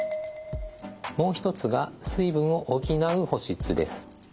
もう一つが水分を補う補湿です。